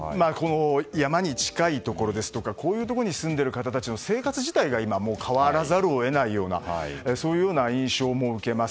山に近いところですとかこういうところに住んでいる方たちの生活自体が変わらざるを得ないようなそういうような印象も受けます。